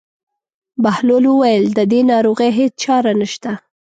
بهلول وویل: د دې ناروغۍ هېڅ چاره نشته.